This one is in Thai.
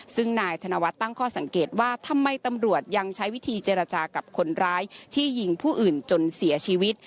ซึ่งนายธนวัฒน์ตั้งข้อสังเกตว่าทำไมตำรวจยังใช้วิธีเจรจากับคนร้ายที่ยิงผู้อื่นจนเสียชีวิต